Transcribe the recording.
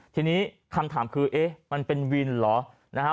ทีนี้คำถามคือเอ๊ะมันเป็นวินเหรอนะฮะ